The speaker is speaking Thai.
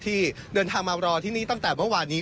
ที่เดินทางมารอที่นี่ตั้งแต่เมื่อวานนี้